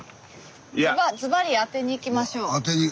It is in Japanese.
ズバリ当てにいきましょう。